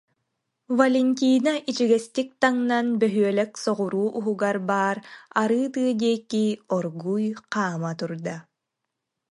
Валентина ичигэстик таҥнан бөһүөлэк соҕуруу уһугар баар арыы тыа диэки оргууй хаама турда